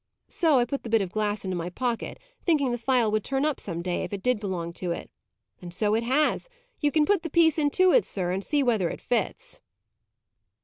So I put the bit of glass into my pocket, thinking the phial would turn up some day, if it did belong to it. And so it has. You can put the piece into it, sir, and see whether it fits."